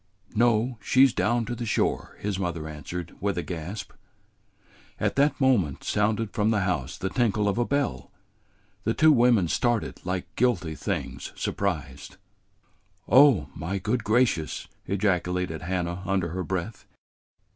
"No; she 's down to the shore," his mother answered, with a gasp. At that moment sounded from the house the tinkle of a bell. The two women started like guilty things surprised. "Oh, my good gracious!" ejaculated Hannah under her breath.